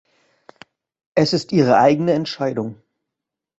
Es ist ihre eigene Entscheidung.